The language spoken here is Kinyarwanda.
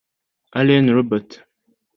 Arjen Robben